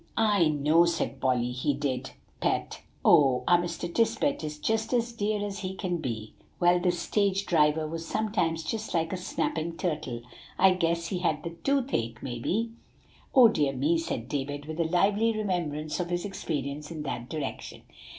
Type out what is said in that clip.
"I know," said Polly, "he did, Pet. Oh! our Mr. Tisbett is just as dear as he can be. Well, this stage driver was sometimes just like a snapping turtle. I guess he had the tooth ache, maybe." "Oh, dear me!" said David, with a lively remembrance of his experience in that direction.